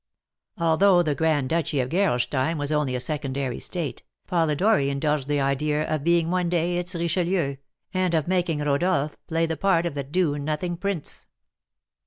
Although the grand duchy of Gerolstein was only a secondary state, Polidori indulged the idea of being one day its Richelieu, and of making Rodolph play the part of the do nothing prince.